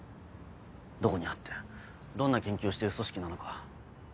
どこにあってどんな研究をしてる組織なのか。